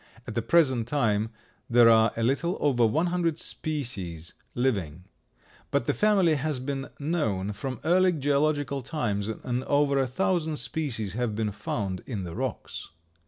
At the present time there are a little over one hundred species living, but the family has been known from early geological times and over a thousand species have been found in the rocks.